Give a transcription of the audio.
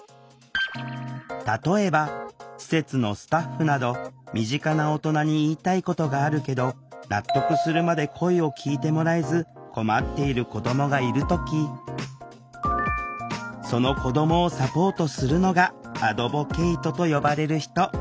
例えば施設のスタッフなど身近な大人に言いたいことがあるけど納得するまで声を聴いてもらえず困っている子どもがいる時その子どもをサポートするのがアドボケイトと呼ばれる人。